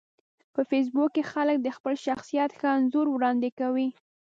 په فېسبوک کې خلک د خپل شخصیت ښه انځور وړاندې کوي